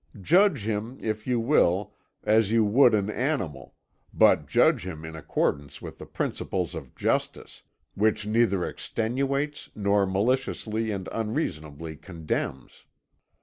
Judge him, if you will, as you would an animal, but judge him in accordance with the principles of justice, which neither extenuates nor maliciously and unreasonably condemns.